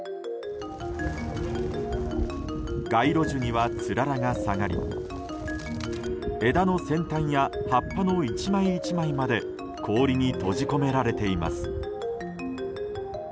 街路樹にはつららが下がり枝の先端や葉っぱの１枚１枚まで氷に閉じ込められています。